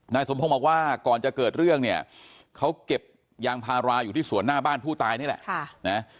นายสมพงศ์บอกว่าก่อนจะเกิดเรื่องเนี่ยเขาเก็บยางพาราอยู่ที่สวนหน้าบ้านผู้ตายนี่แหละ